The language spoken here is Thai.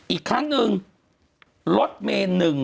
อีกครั้งหนึ่งรถเมน๑